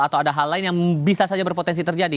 atau ada hal lain yang bisa saja berpotensi terjadi